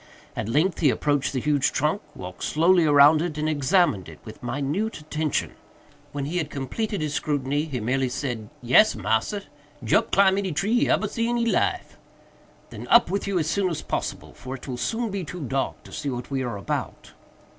At length he approached the huge trunk, walked slowly around it, and examined it with minute attention. When he had completed his scrutiny, he merely said, "Yes, massa, Jup climb any tree he ebber see in he life." "Then up with you as soon as possible, for it will soon be too dark to see what we are about."